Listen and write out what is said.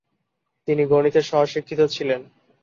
তিনি গণিতে স্ব-শিক্ষিত ছিলেন।